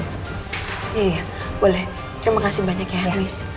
iya iya boleh terima kasih banyak ya miss